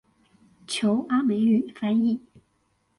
求阿美語翻譯